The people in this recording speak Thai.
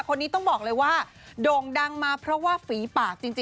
คนนี้ต้องบอกเลยว่าโด่งดังมาเพราะว่าฝีปากจริง